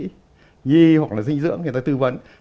nghi hoặc là dinh dưỡng người ta tư vấn